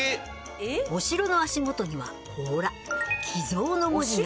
お城の足元にはほら「寄贈」の文字が。